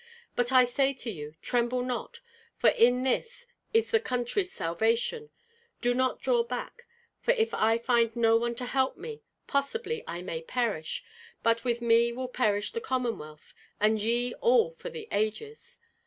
But I say to you, Tremble not, for in this is the country's salvation; do not draw back, for if I find no one to help me, possibly I may perish, but with me will perish the Commonwealth and ye all for the ages.